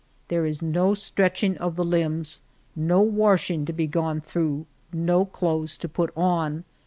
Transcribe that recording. There is no stretching of the limbs, no washing to be gone through, no clothes to put on.